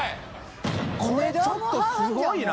これちょっとすごいな！